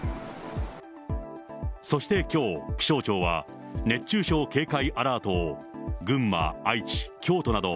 そしてきょう、気象庁は、熱中症警戒アラートを群馬、愛知、京都など、